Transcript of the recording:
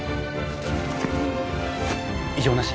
異常なし？